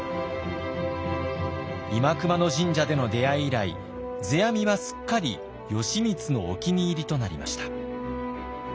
新熊野神社での出会い以来世阿弥はすっかり義満のお気に入りとなりました。